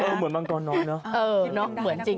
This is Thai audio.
เหมือนมังกรน้อยเนอะ